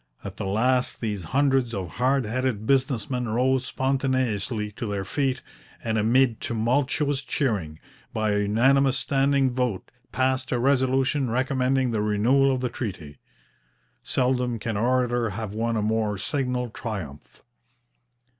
At the last these hundreds of hard headed business men rose spontaneously to their feet, and, amid tumultuous cheering, by a unanimous standing vote passed a resolution recommending the renewal of the treaty. Seldom can orator have won a more signal triumph.